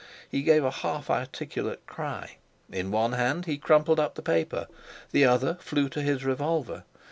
He gave a half articulate cry; in one hand he crumpled up the paper, the other flew to his revolver.